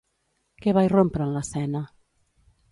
Què va irrompre en l'escena?